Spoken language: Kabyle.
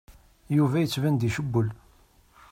Yuba yettban-d icewwel.